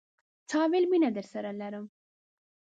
تا ویل، مینه درسره لرم